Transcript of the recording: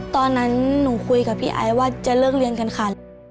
ตอนนั้นหนูคุยกับพี่ไอซ์ว่าจะเลิกเรียนกันค่ะ